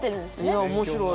いや面白い。